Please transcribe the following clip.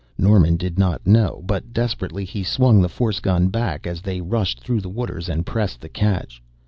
Norman did not know, but desperately he swung the force gun back as they rushed through the waters, and pressed the catch.